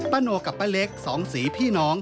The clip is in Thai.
ป้าโน่กับป้าเล็ก๒สีพี่น้อง